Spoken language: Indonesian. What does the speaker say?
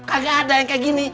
kagak ada yang kayak gini